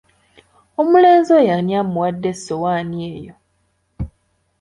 Omulenzi oyo ani amuwadde essowaani eyo?